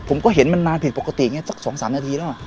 ผมก็เห็นมันนานผิดปกติอย่างนี้สัก๒๓นาทีแล้ว